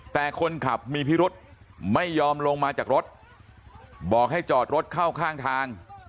แต่คนขับมีพิรุธไม่ยอมลงมาจากรถบอกให้จอดรถเข้าข้างทาง